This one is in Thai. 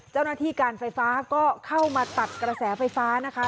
เจ้าหน้าที่การไฟฟ้าก็เข้ามาตัดกระแสไฟฟ้านะคะ